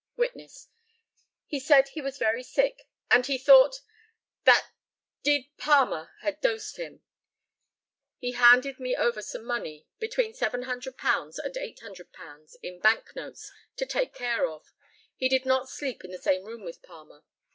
Witness: He said he was very sick, and he thought "that d Palmer" had dosed him. He handed me over some money, between £700 and £800, in bank notes, to take care of. He did not sleep in the same room with Palmer.